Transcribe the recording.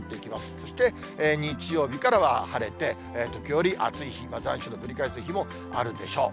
そして、日曜日からは晴れて、時折、暑い残暑のぶり返す日もあるでしょう。